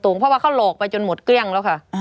เพราะว่าเขาหลอกไปจนหมดเกลี้ยงแล้วค่ะ